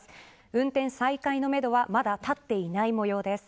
運転再開のめどはまだ立っていない模様です。